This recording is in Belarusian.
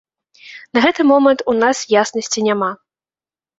На гэты момант у нас яснасці няма.